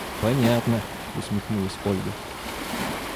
– Понятно! – усмехнулась Ольга.